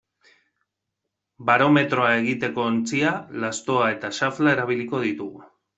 Barometroa egiteko ontzia, lastoa eta xafla erabiliko ditugu.